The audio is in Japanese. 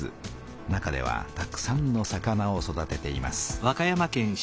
中ではたくさんの魚を育てています。